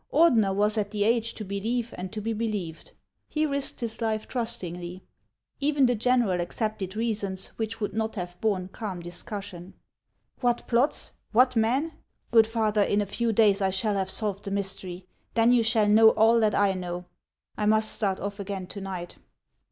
Ordener was at the age to believe and to be believed. He risked his life trustingly. Even the general accepted reasons which would not have borne calm discussion. " What plots ? What men ? Good father, in a few days I shall have solved the mystery ; then you shall know all that I know. I must start off again to night."